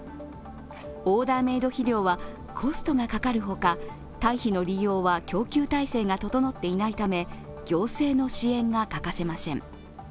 オーダーメイド肥料はコストがかかるほか堆肥の利用は供給体制が整っていないため、行政の支援が欠かせません。